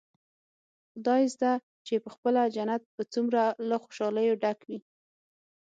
خدايزده چې پخپله جنت به څومره له خوشاليو ډک وي.